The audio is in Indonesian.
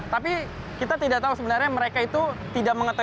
tapi kita tidak tahu sebenarnya mereka itu tidak mengetahui